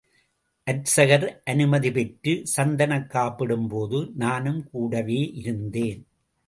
அர்ச்சகர் அனுமதி பெற்று, சந்தனக் காப்பிடும்போது நானும் கூடவே இருந்தேன்.